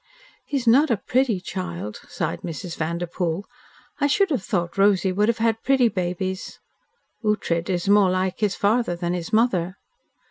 "He is not a pretty child," sighed Mrs. Vanderpoel. "I should have thought Rosy would have had pretty babies. Ughtred is more like his father than his mother."